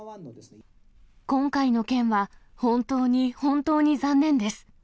今回の件は、本当に本当に残念です。